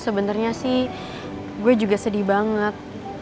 sebenarnya sih gue juga sedih banget